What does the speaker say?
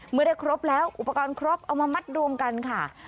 เมื่อได้ครบแล้วอุปกรณ์ครบเอามามัดรวมกันค่ะ